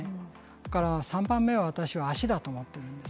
それから３番目は私は足だと思ってるんです。